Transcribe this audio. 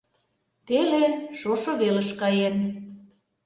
Теле шошо велыш каен.